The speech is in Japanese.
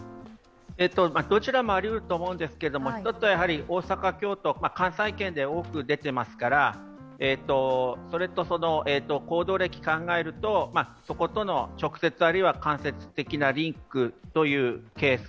どちらもありうると思うんですけれども、１つは大阪、京都、関西圏で多く出ていますから、それと、行動歴を考えるとそことの直接あるいは間接的なリンクというケース。